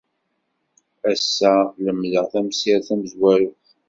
Ass-a lemdeɣ tamsirt tamezwarut.